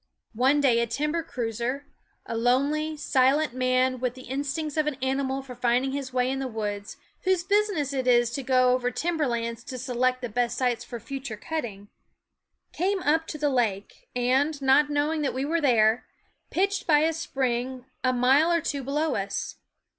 One day a timber cruiser a lonely, silent man with the instincts of an animal for find g his way in the woods, whose business it to go over timber lands to select the THE WOODS best sites for future cutting came up to the lake and, not knowing that we were there, pitched by a spring a mile or two below us.